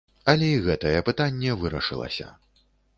Але і гэтае пытанне вырашылася.